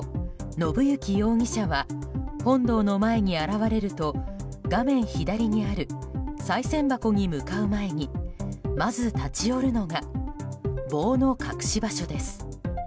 信幸容疑者は本堂の前に現れると画面左にあるさい銭箱に向かう前にまず立ち寄るのが棒の隠し場所です。